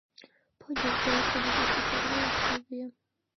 ფუჯოუს დაარსების ზუსტი თარიღი უცნობია.